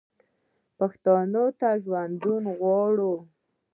پښتون ته ژوندون غواړو.